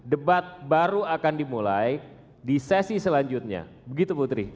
debat baru akan dimulai di sesi selanjutnya begitu putri